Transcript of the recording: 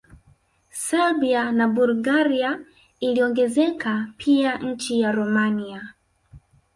Serbia pia na Bulgaria iliongezeka pia nchi ya Romania